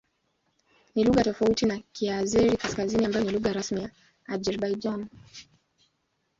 Ni lugha tofauti na Kiazeri-Kaskazini ambayo ni lugha rasmi nchini Azerbaijan.